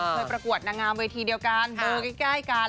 ประกวดนางงามเวทีเดียวกันเบอร์ใกล้กัน